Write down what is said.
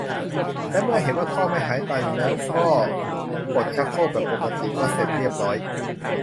และเมื่อเห็นว่าท่อไม่หายตันแล้วก็กดชักโครกแบบปกติก็เสร็จเรียบร้อย